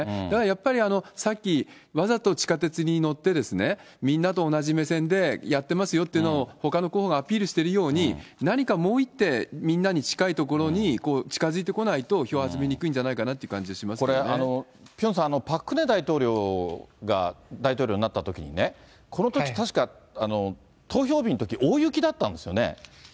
だからやっぱり、さっき、わざと地下鉄に乗ってですね、みんなと同じ目線でやってますよっていうのを、ほかの候補がアピールしてるように、何かもう一点、みんなに近いところに近づいてこないと票を集めにくいんじゃないこれ、ピョンさん、パク・クネ大統領が大統領になったときにね、このとき、確か投票日のとき、大雪だったんですよね。